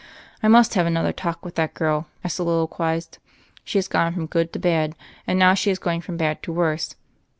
"I must have another talk with that girl," I soliloquized. "She has gone from good to bad, and now she is going from bad to worse.